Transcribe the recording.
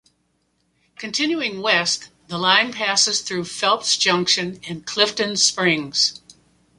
Continuing west, the line passes through Phelps Junction and Clifton Springs.